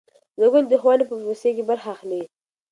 زده کوونکي د ښوونې په پروسې کې برخه لري.